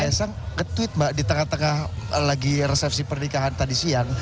mas kaisang ngetweet mbak di tengah tengah lagi resepsi pernikahan tadi siang